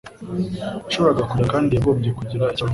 yashoboraga kugira kandi yagombye kugira icyo avuga.